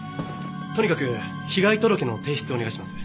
とにかく被害届の提出をお願いします。